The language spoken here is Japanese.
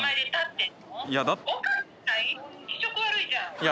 いや。